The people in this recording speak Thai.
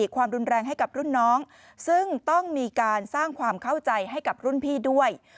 ความรุนแรงให้กับรุ่นน้องซึ่งต้องมีการสร้างความเข้าใจให้กับรุ่นพี่ด้วย